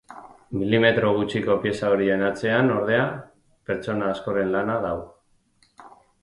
Milimetro gutxiko pieza horien atzean ordea, pertsona askoren lana dago.